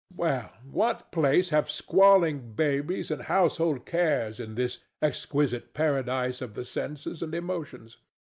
Well, what place have squalling babies and household cares in this exquisite paradise of the senses and emotions?